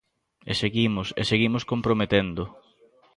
E seguimos, e seguimos comprometendo.